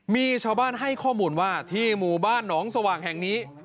มีชาวบ้านให้ข้อมูลว่าที่หมู่บ้านหนองสว่างแห่งนี้